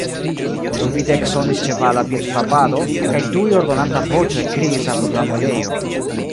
Subite eksonis ĉevala piedfrapado, kaj tuj ordonanta voĉo ekkriis apud la muelejo.